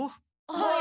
はい。